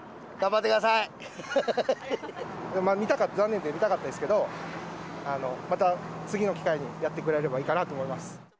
見たかった、残念で、見たかったですけど、また次の機会にやってくれればいいかなと思います。